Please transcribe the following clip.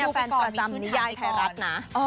วันนี้แฟนเติมนิยายในนิยายไทยรัฐนะ